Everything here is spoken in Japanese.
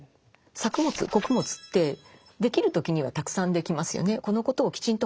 作物穀物ってできる時にはたくさんできますよね。